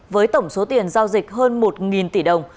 với tổng số tiền giao dịch hơn một tỷ đồng